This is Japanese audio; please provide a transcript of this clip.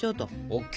ＯＫ。